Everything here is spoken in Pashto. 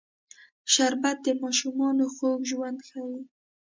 شربت د ماشومانو خوږ ژوند ښيي